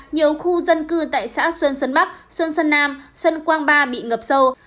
nhiều khu dân cư tại xã xuân xuân bắc xuân xuân nam xuân quang ba bị ngập sâu